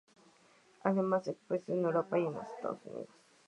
Además ha expuesto en Europa y en los Estados Unidos.